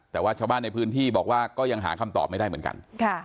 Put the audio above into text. แต่ว่าชาวบ้านในพื้นที่บอกว่าก็ยังหาคำตอบไม่ได้เหมือนกัน